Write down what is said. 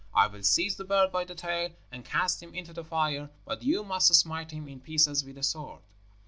I will seize the bird by the tail, and cast him into the fire; but you must smite him in pieces with the sword.'